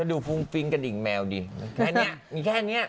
อ่ะก็ดูกระดิ่งแมวดิแค่นี้นี้แค่